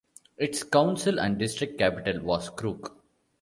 Its council and district capital was Crook.